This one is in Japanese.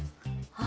あ！